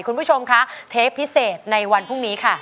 คุณผู้ชมคะเทปพิเศษในวันพรุ่งนี้ค่ะ